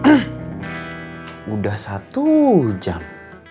iya udah satu jam